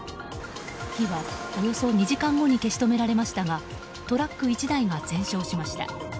火はおよそ２時間後に消し止められましたがトラック１台が全焼しました。